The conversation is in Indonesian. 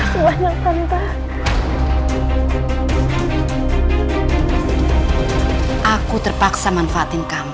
cuma itu bisa membangun dirimu